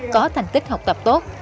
có thành tích học tập tốt